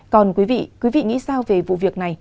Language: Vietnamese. còn quý vị quý vị nghĩ sao về vụ việc này